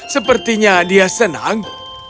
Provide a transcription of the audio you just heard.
sepertinya dia senang